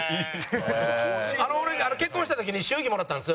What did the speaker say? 俺結婚した時に祝儀もらったんですよ。